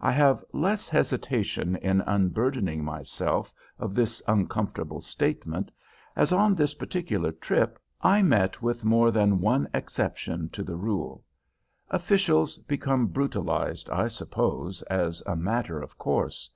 I have less hesitation in unburdening myself of this uncomfortable statement, as on this particular trip I met with more than one exception to the rule. Officials become brutalized, I suppose, as a matter of course.